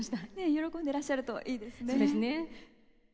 喜んでらっしゃるといいですね。